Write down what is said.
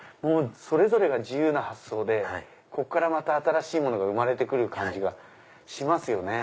それぞれが自由な発想でこっからまた新しいものが生まれて来る感じがしますよね。